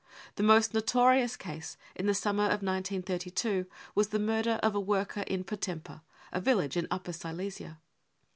The most notorious case in the summer of 1932 was the murder of a worker in Potempa, a village in Upper Silesia.